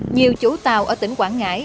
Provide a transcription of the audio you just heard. nhiều chủ tàu ở tỉnh quảng ngãi